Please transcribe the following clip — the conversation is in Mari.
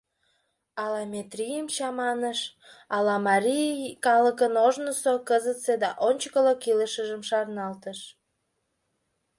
Ала Метрийым чаманыш, ала марий калыкын ожнысо, кызытсе да ончыклык илышыжым шарналтыш.